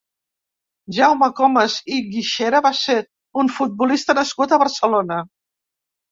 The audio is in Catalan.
Jaume Comas i Guixera va ser un futbolista nascut a Barcelona.